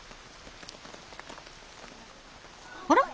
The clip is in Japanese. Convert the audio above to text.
あら？